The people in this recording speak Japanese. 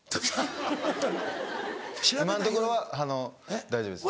今のところはあの大丈夫です。